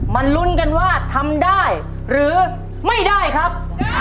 ลุ้นกันว่าทำได้หรือไม่ได้ครับ